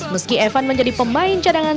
meski evan menjadi pemain cadangan